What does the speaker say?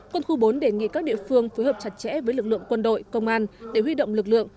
quân khu bốn đề nghị các địa phương phối hợp chặt chẽ với lực lượng quân đội công an để huy động lực lượng